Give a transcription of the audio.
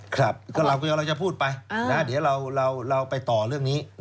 ครับกำลังจะพูดไปเดี๋ยวเราไปต่อเรื่องนี้